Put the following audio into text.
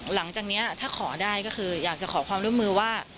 หลังจากนี้ถ้าขอได้ก็คืออยากจะขอความร่วมมือว่า